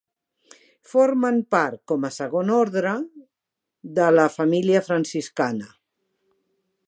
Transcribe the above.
Formen part, com a segon orde, de la família franciscana.